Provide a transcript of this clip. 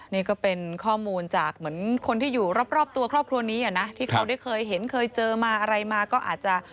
นี่ก็เป็นข้อมูลจากเหมือนคนที่อยู่รอบตัวครอบครัวนี้นะที่เขาได้เคยเห็นเคยเจอมาอะไรมาก็อาจจะ